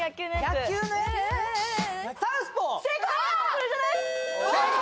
それじゃない？